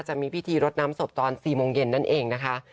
จะมีพิธีรดน้ำศพตอน๔โมงเย็นนั่นเองนะคะ